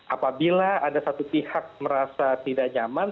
apabila ada satu pihak merasa tidak nyaman